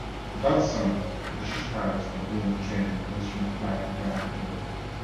That summer, British pilots were being trained in instrument flying at Bryan Field.